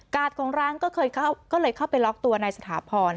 ของร้านก็เลยเข้าไปล็อกตัวนายสถาพร